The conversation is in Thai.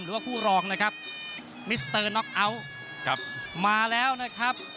หรือว่าคู่รองนะครับมิสเตอร์น็อกเอาท์ครับมาแล้วนะครับ